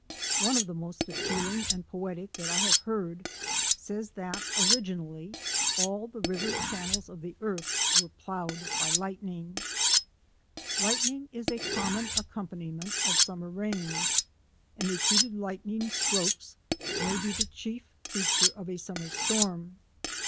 One of the most appealing and poetic that I hnve heard says LIGHTNING AND THUNDER 131 that originally all the river channels of the earth were ploughed by lightning. Lightning is a common accompaniment of sum mer rains, and repeated lightning strokes may be the chief feature of a summer storm.